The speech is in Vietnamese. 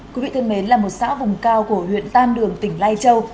cô vị thân mến là một xã vùng cao của huyện tan đường tỉnh lai châu